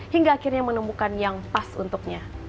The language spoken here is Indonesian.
hingga akhirnya menemukan yang pas untuknya